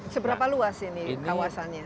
seberapa luas ini kawasannya